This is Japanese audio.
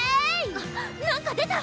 あっ何か出た！